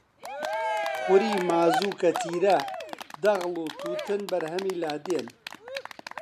خوری، مازوو، کەتیرە، دەغڵ و تووتن بەرهەمی لادێن